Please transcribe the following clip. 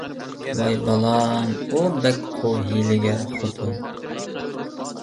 ۋاي بالام، ئۇ بەك قۇۋ، ھىيلىگەر خوتۇن.